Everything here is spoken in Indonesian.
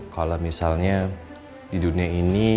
kalau misalnya di dunia ini